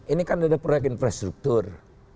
ini kan ada proyek infrastruktur